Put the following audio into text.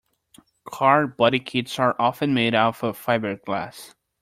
Car body kits are often made out of fiberglass.